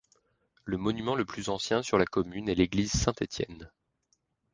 Le monument le plus ancien sur la commune est l'église Saint-Étienne.